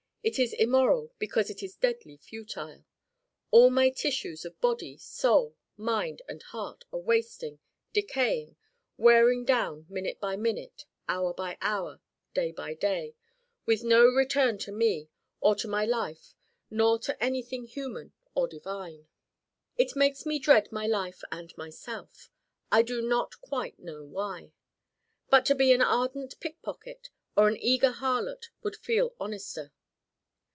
It is immoral because it is deadly futile. All my Tissues of body, soul, mind and heart are wasting, decaying, wearing down, minute by minute, hour by hour, day by day: with no return to me or to my life, nor to anything human or divine. It makes me dread my life and myself. I do not quite know why. But to be an ardent pickpocket or an eager harlot would feel honester.